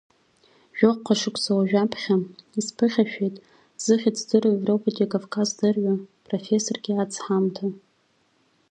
Жәохуҟа шықуса ожә аԥхьа, исԥыхьашәеит, зыхьыӡ дыру Европатәи кавказдырҩык, профессорк иаацҳамҭа.